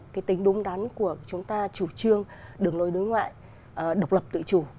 cái tính đúng đắn của chúng ta chủ trương đường lối đối ngoại độc lập tự chủ